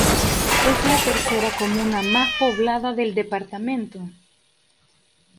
Es la tercera comuna más poblada del departamento.